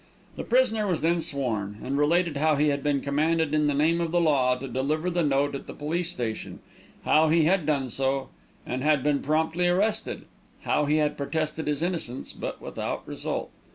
The prisoner was then sworn and related how he had been commanded in the name of the law to deliver the note at the police station; how he had done so, and had been promptly arrested; how he had protested his innocence, but without result.